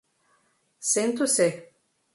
Sento Sé